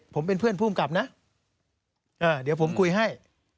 ผมเป็นเพื่อนภูมิกับนะเดี๋ยวผมคุยให้